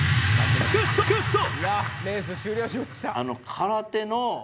空手の。